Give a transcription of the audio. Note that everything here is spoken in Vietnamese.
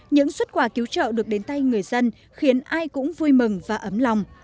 những xuất quà cứu trợ được đến tay người dân khiến ai cũng vui mừng và ấm lòng